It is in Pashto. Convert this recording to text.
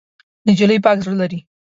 نجلۍ پاک زړه لري.